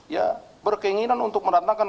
ya berkeinginan untuk menandakan